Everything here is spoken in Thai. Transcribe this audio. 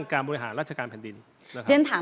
การบริหารราชการแผ่นดินนะครับ